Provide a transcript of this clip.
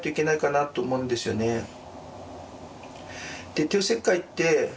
で帝王切開って。